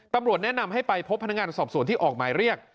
ตำรวจแนะนำให้ไปพบพนักงานสอบสวนที่ออกหมายเรียก